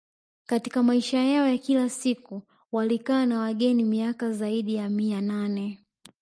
Katika maisha yao ya kila siku walikaa na wageni miaka zaidi ya mia nane